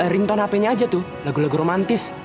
ringtone hpnya aja tuh lagu lagu romantis